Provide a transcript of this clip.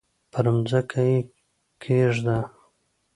پر مځکه یې کښېږده!